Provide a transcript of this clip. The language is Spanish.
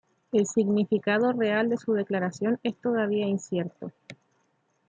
El significado real de su declaración es todavía incierto.